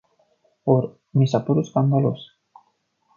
Or, mi s-a părut scandalos.